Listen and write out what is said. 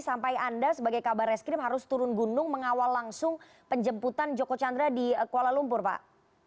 sampai anda sebagai kabar reskrim harus turun gunung mengawal langsung penjemputan joko chandra di kuala lumpur pak